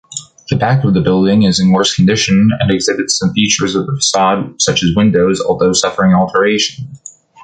The back of the building is in worse condition, and exhibits some features of the facade, such as windows, although suffering alteration.